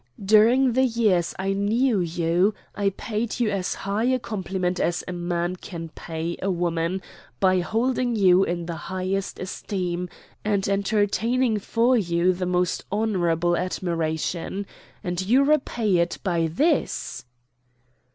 During the years I knew you I paid you as high a compliment as a man can pay a woman by holding you in the highest esteem and entertaining for you the most honorable admiration. And you repay it by this."